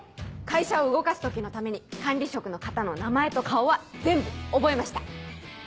会社を動かす時のために管理職の方の名前と顔は全部覚えました。